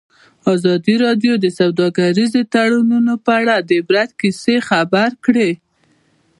ازادي راډیو د سوداګریز تړونونه په اړه د عبرت کیسې خبر کړي.